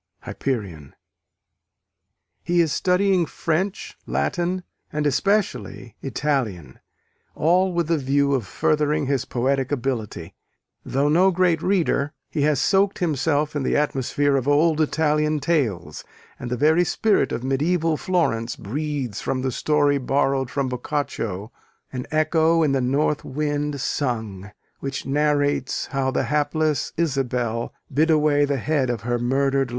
Hyperion. He is studying French, Latin, and especially Italian all with a view of furthering his poetic ability: though no great reader, he has soaked himself in the atmosphere of old Italian tales, and the very spirit of mediæval Florence breathes from the story, borrowed from Boccaccio, "an echo in the north wind sung," which narrates how the hapless Isabelle bid away the head of her murdered lover.